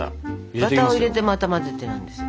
バターを入れてまた混ぜてなんですよ。